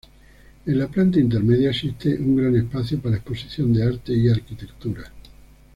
En la planta intermedia existe un gran espacio para exposiciones de arte y arquitectura.